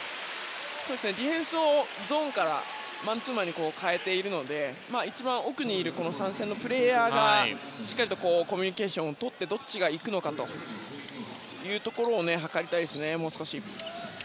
ディフェンスをゾーンからマンツーマンに変えているので一番奥にいるプレーヤーがしっかりコミュニケーションをとってどっちがいくのかというところを図りたいですね、もう少し。